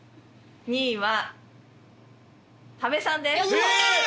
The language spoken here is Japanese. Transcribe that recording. ２位は多部さんです。